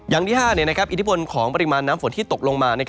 อย่างที่๕อิทธิพลของปริมาณน้ำฝนที่ตกลงมา